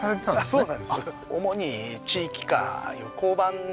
そうなんです